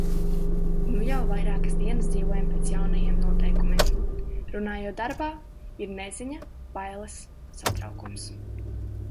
Nu jau vairākas dienas dzīvojam pēc jaunajiem noteikumiem. Runājot darbā, ir neziņa, bailes, satraukums.